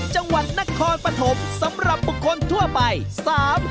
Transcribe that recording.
นั่นแหละฉันอยากจะไปที่นี่อะ